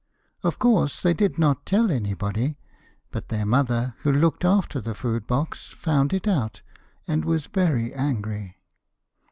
Of course, they did not tell anybody, but their mother, who looked after the food box found it out and was very angry.